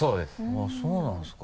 あっそうなんですか？